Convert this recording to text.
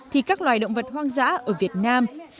thì các loài động vật hoang dã ở việt nam